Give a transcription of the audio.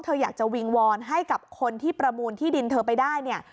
เธออยากจะวิงวอนให้กับคนที่ประมูลที่ดินเธอไปได้เนี่ย